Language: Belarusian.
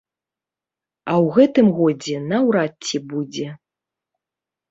А ў гэтым годзе наўрад ці будзе.